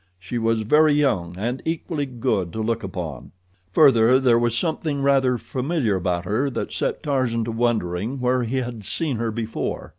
She was very young, and equally good to look upon. Further, there was something rather familiar about her that set Tarzan to wondering where he had seen her before.